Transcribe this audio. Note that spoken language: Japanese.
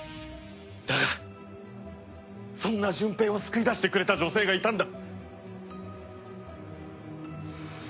だがそんな純平を救い出してくれた女性がいたんだ。